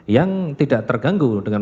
yang tidak terganggu dengan